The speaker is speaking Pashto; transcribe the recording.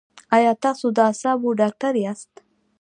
ایا تاسو د اعصابو ډاکټر یاست؟